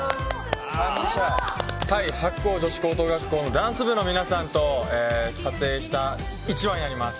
白鵬女子高等学校のダンス部の皆さんと撮影した一枚になります。